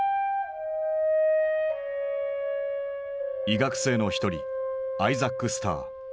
医学生の一人アイザック・スター。